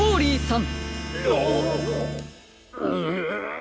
ん！